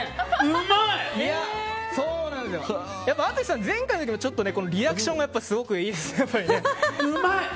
淳さん、前回の時もリアクションがすごくいいですね。